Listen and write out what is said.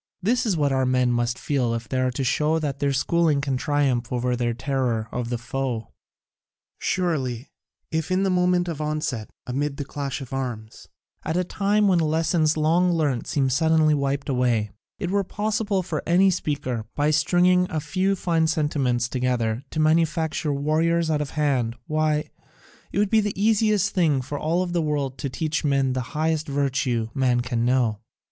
This is what our men must feel if they are to show that their schooling can triumph over their terror of the foe. Surely, if in the moment of onset, amid the clash of arms, at a time when lessons long learnt seem suddenly wiped away, it were possible for any speaker, by stringing a few fine sentiments together, to manufacture warriors out of hand, why, it would be the easiest thing in all the world to teach men the highest virtue man can know.